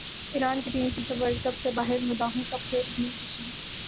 ایران کی team FIFA World cup سے باہرمداحوں کا پھر بھی جشن